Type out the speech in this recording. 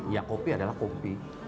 ya kopi adalah kopi